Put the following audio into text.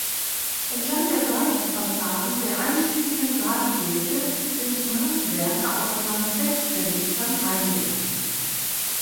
Entlang der Seitenfassaden der einschiffigen Saalkirche sind Maßwerke aus Lanzettfenstern eingelassen.